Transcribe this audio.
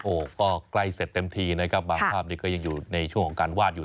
โอ้โหก็ใกล้เสร็จเต็มทีนะครับบางภาพนี้ก็ยังอยู่ในช่วงของการวาดอยู่